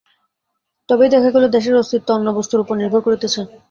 তবেই দেখা গেল, দেশের অস্তিত্ব অন্য বস্তুর উপর নির্ভর করিতেছে।